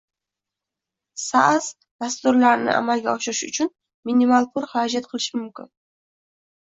Saas dasturlarni amalga oshirish uchun minimal pul xarajat qilish mumkin